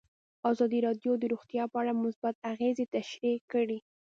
ازادي راډیو د روغتیا په اړه مثبت اغېزې تشریح کړي.